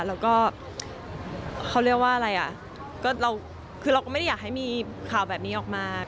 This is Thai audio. แล้วก็เขาเรียกว่าอะไรอ่ะก็เราคือเราก็ไม่ได้อยากให้มีข่าวแบบนี้ออกมา